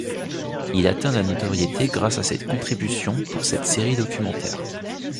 Il atteint la notoriété grâce à ses contributions pour cette série documentaire.